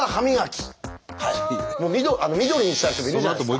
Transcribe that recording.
緑にしたい人もいるじゃないですか。